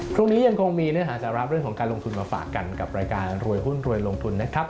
ยังคงมีเนื้อหาสาระเรื่องของการลงทุนมาฝากกันกับรายการรวยหุ้นรวยลงทุนนะครับ